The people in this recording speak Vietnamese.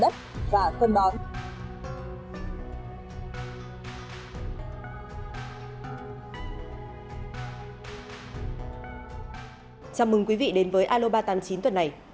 chào mừng quý vị đến với aloba tám mươi chín tuần này